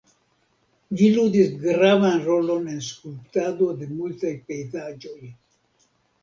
Ĝi ludis gravan rolon en skulptado de multaj pejzaĝoj.